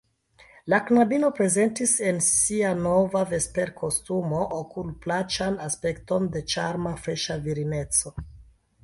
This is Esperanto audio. La knabino prezentis en sia nova vesperkostumo okulplaĉan aspekton de ĉarma, freŝa virineco.